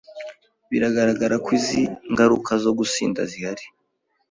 Biragaragara ko izi ngaruka zo gusinda zihari